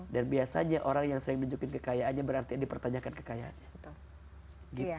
dan biasanya orang yang sering nunjukin kekayaannya berarti dipertanyakan kekayaannya